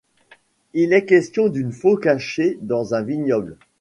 Il est question d'une Faux cachée dans un vignoble.